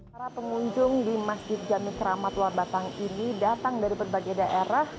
para pengunjung di masjid jami keramat luar batang ini datang dari berbagai daerah